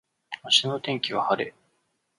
明日の天気は晴れ